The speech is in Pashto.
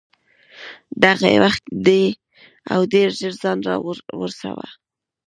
دغه یې وخت دی او ډېر ژر ځان را ورسوه.